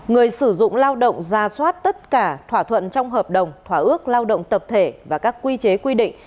người sử dụng lao động ra soát tất cả thỏa thuận trong hợp đồng thỏa ước lao động tập thể và các quy chế quy định